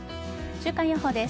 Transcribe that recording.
週間予報です。